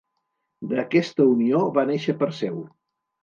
D'aquesta unió va néixer Perseu.